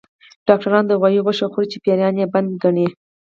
ډاکټران د غوايي غوښه خوري چې پيريان يې بد ګڼي